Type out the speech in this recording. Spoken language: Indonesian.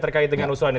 terkait dengan usulannya